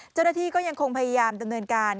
เจ้าหน้าที่ก็ยังคงพยายามดำเนินการ